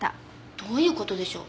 どういう事でしょう？